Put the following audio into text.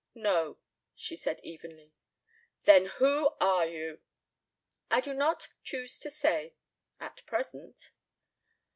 "No," she said evenly. "Then who are you?" "I do not choose to say at present."